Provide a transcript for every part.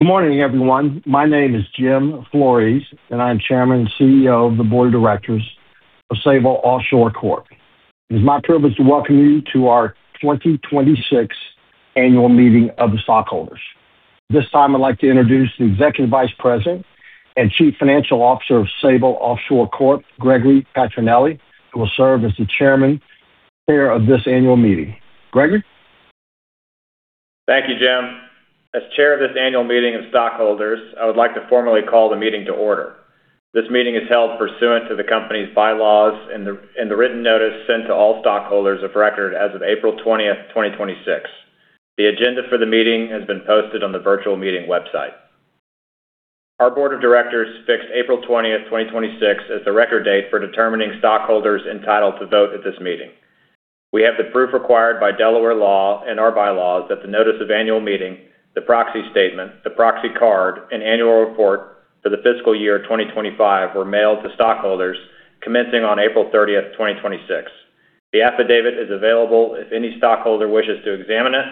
Good morning, everyone. My name is Jim Flores, and I am Chairman and CEO of the Board of Directors of Sable Offshore Corp. It is my privilege to welcome you to our 2026 Annual Meeting of the Stockholders. At this time, I'd like to introduce the Executive Vice President and Chief Financial Officer of Sable Offshore Corp., Gregory Patrinely, who will serve as the Chairman of this Annual Meeting. Gregory? Thank you, Jim. As Chair of this Annual Meeting of Stockholders, I would like to formally call the meeting to order. This meeting is held pursuant to the company's bylaws and the written notice sent to all stockholders of record as of April 20th, 2026. The agenda for the meeting has been posted on the virtual meeting website. Our Board of Directors fixed April 20th, 2026, as the record date for determining stockholders entitled to vote at this meeting. We have the proof required by Delaware law and our bylaws that the Notice of Annual Meeting, the proxy statement, the proxy card, and annual report for the fiscal year 2025 were mailed to stockholders commencing on April 30, 2026. The affidavit is available if any stockholder wishes to examine it,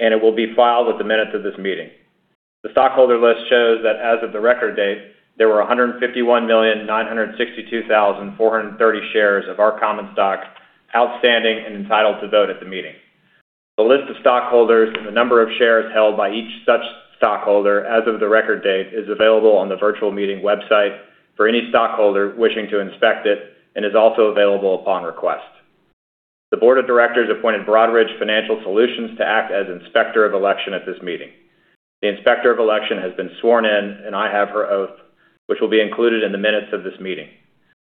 and it will be filed with the minutes of this meeting. The stockholder list shows that as of the record date, there were 151,962,430 shares of our common stock outstanding and entitled to vote at the meeting. The list of stockholders and the number of shares held by each such stockholder as of the record date is available on the virtual meeting website for any stockholder wishing to inspect it and is also available upon request. The Board of Directors appointed Broadridge Financial Solutions to act as Inspector of Election at this meeting. The Inspector of Election has been sworn in, and I have her oath, which will be included in the minutes of this meeting.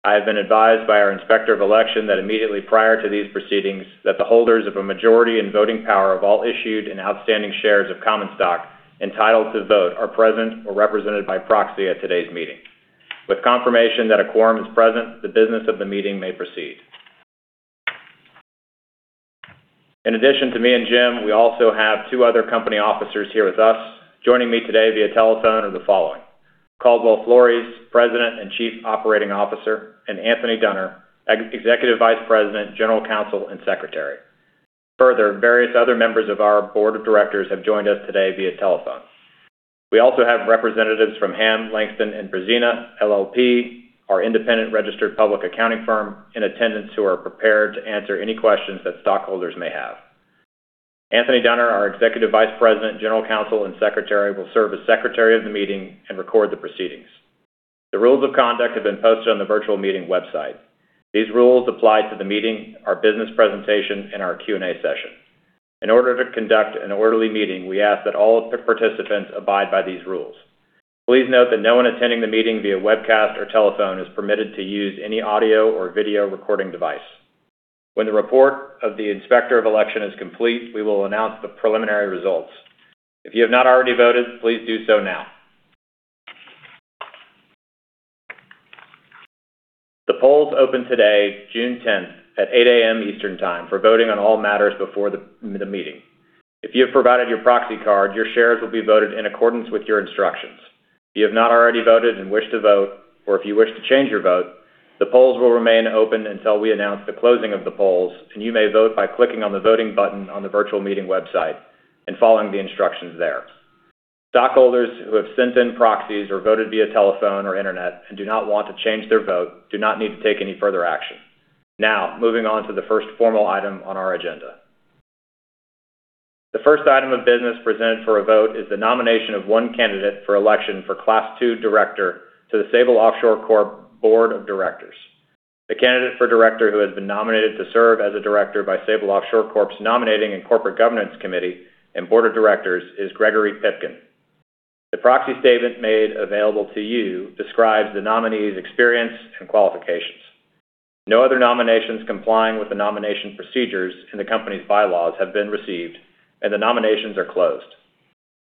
I have been advised by our Inspector of Election that immediately prior to these proceedings, that the holders of a majority in voting power of all issued and outstanding shares of common stock entitled to vote are present or represented by proxy at today's meeting. With confirmation that a quorum is present, the business of the meeting may proceed. In addition to me and Jim, we also have two other company officers here with us. Joining me today via telephone are the following: Caldwell Flores, President and Chief Operating Officer, and Anthony Duenner, Executive Vice President, General Counsel, and Secretary. Various other members of our Board of Directors have joined us today via telephone. We also have representatives from Ham, Langston & Brezina LLP, our independent registered public accounting firm, in attendance who are prepared to answer any questions that stockholders may have. Anthony Duenner, our Executive Vice President, General Counsel, and Secretary, will serve as Secretary of the meeting and record the proceedings. The rules of conduct have been posted on the virtual meeting website. These rules apply to the meeting, our business presentation, and our Q&A session. In order to conduct an orderly meeting, we ask that all participants abide by these rules. Please note that no one attending the meeting via webcast or telephone is permitted to use any audio or video recording device. When the report of the Inspector of Election is complete, we will announce the preliminary results. If you have not already voted, please do so now. The polls opened today, June 10th at 8:00 A.M. Eastern Time for voting on all matters before the meeting. If you have provided your proxy card, your shares will be voted in accordance with your instructions. If you have not already voted and wish to vote, or if you wish to change your vote, the polls will remain open until we announce the closing of the polls, and you may vote by clicking on the voting button on the virtual meeting website and following the instructions there. Stockholders who have sent in proxies or voted via telephone or internet and do not want to change their vote do not need to take any further action. Moving on to the first formal item on our agenda. The first item of business presented for a vote is the nomination of one candidate for election for Class II Director to the Sable Offshore Corp. Board of Directors. The candidate for Director who has been nominated to serve as a Director by Sable Offshore Corp.'s Nominating and Corporate Governance Committee and Board of Directors is Gregory Pipkin. The proxy statement made available to you describes the nominee's experience and qualifications. No other nominations complying with the nomination procedures in the company's bylaws have been received, and the nominations are closed.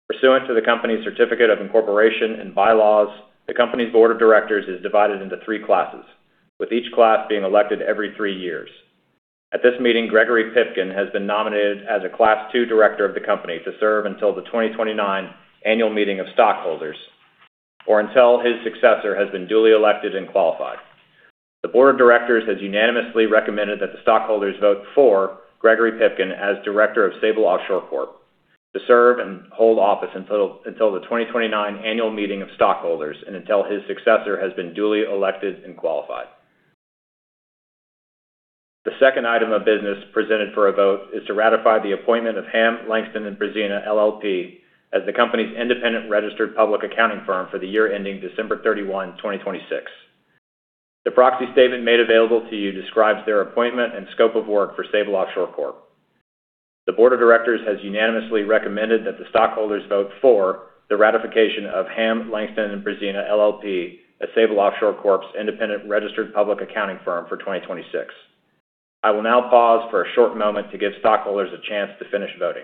Pursuant to the company's certificate of incorporation and bylaws, the company's Board of Directors is divided into three classes, with each class being elected every three years. At this meeting, Gregory Pipkin has been nominated as a Class II Director of the company to serve until the 2029 Annual Meeting ofSstockholders or until his successor has been duly elected and qualified. The board of directors has unanimously recommended that the stockholders vote for Gregory Pipkin as Director of Sable Offshore Corp. to serve and hold office until the 2029 Annual Meeting of Stockholders and until his successor has been duly elected and qualified. The second item of business presented for a vote is to ratify the appointment of Ham, Langston & Brezina LLP as the company's independent registered public accounting firm for the year ending December 31, 2026. The proxy statement made available to you describes their appointment and scope of work for Sable Offshore Corp. The Board of Directors has unanimously recommended that the stockholders vote for the ratification of Ham, Langston & Brezina LLP as Sable Offshore Corp.'s independent registered public accounting firm for 2026. I will now pause for a short moment to give stockholders a chance to finish voting.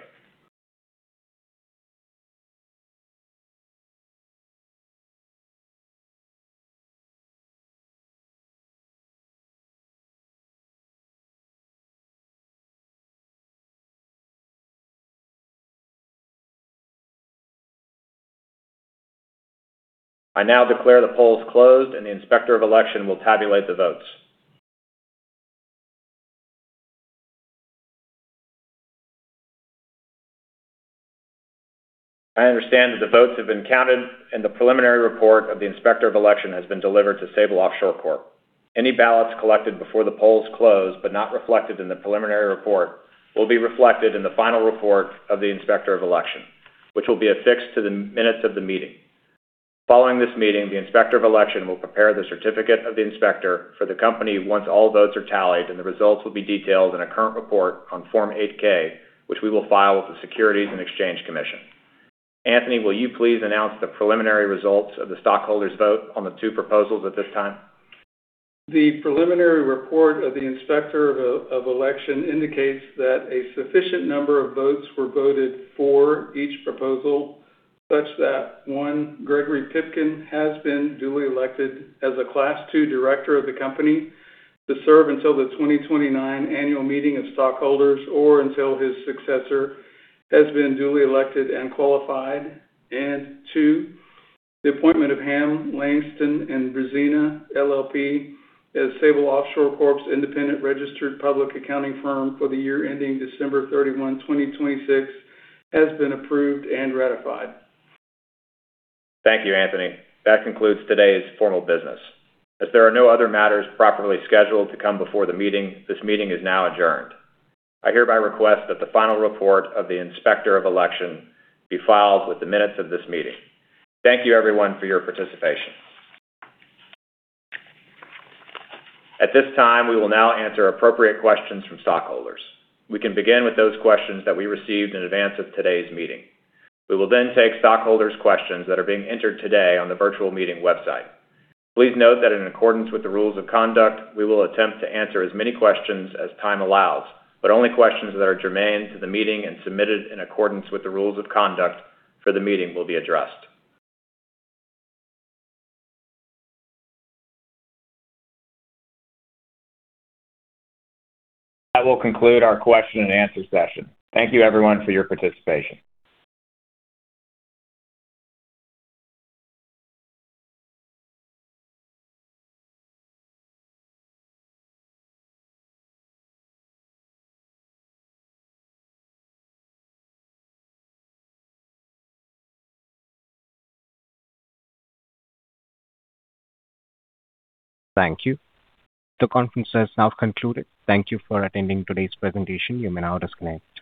I now declare the polls closed, and the Inspector of Election will tabulate the votes. I understand that the votes have been counted and the preliminary report of the Inspector of Election has been delivered to Sable Offshore Corp. Any ballots collected before the polls close but not reflected in the preliminary report will be reflected in the final report of the Inspector of Election, which will be affixed to the minutes of the meeting. Following this meeting, the Inspector of Election will prepare the certificate of the inspector for the company once all votes are tallied, and the results will be detailed in a current report on Form 8-K, which we will file with the Securities and Exchange Commission. Anthony, will you please announce the preliminary results of the stockholders' vote on the two proposals at this time? The preliminary report of the Inspector of Election indicates that a sufficient number of votes were voted for each proposal, such that, one, Gregory Pipkin has been duly elected as a Class II Director of the company to serve until the 2029 Annual Meeting of Stockholders or until his successor has been duly elected and qualified. Two, the appointment of Ham, Langston & Brezina LLP as Sable Offshore Corp's independent registered public accounting firm for the year ending December 31, 2026, has been approved and ratified. Thank you, Anthony. That concludes today's formal business. As there are no other matters properly scheduled to come before the meeting, this meeting is now adjourned. I hereby request that the final report of the Inspector of Election be filed with the minutes of this meeting. Thank you everyone for your participation. At this time, we will now answer appropriate questions from stockholders. We can begin with those questions that we received in advance of today's meeting. We will then take stockholders' questions that are being entered today on the virtual meeting website. Please note that in accordance with the rules of conduct, we will attempt to answer as many questions as time allows, but only questions that are germane to the meeting and submitted in accordance with the rules of conduct for the meeting will be addressed. That will conclude our question and answer session. Thank you everyone for your participation. Thank you. The conference has now concluded. Thank you for attending today's presentation. You may now disconnect.